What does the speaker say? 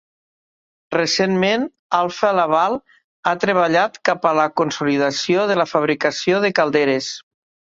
Recentment, Alfa Laval ha treballat cap a la consolidació de la fabricació de calderes.